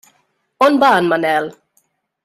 On va en Manel?